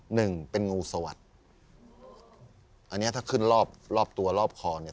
หนึ่งเป็นงูสวัสดิ์อันเนี้ยถ้าขึ้นรอบรอบตัวรอบคอเนี่ย